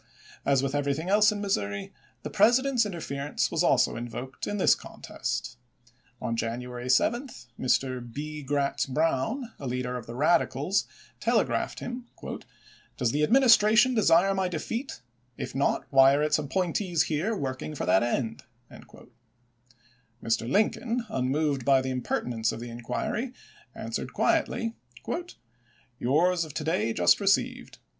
As with every thing else in Missouri, the President's intervention was also invoked in this contest. On January 7, Mr. B. Gratz Brown, a leader of the Radicals, tele graphed him: "Does the Administration desire my defeat; if not, why are its appointees here working to^fn^oin, J3.I1 7 1863 for that end 1 " Mr. Lincoln, unmoved by the im ms. pertinence of the inquiry, answered quietly: "Yours of to day just received.